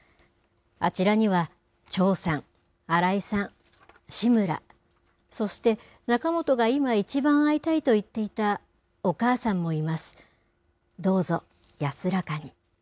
あちらには長さん、荒井さん、志村、そして仲本が今、一番会いたいと言っていたお母さんもいます。